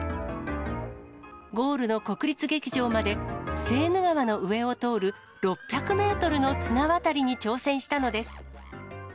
ゴールの国立劇場まで、セーヌ川の上を通る６００メートルの綱渡りに挑戦したのです。